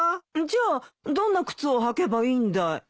じゃあどんな靴を履けばいいんだい。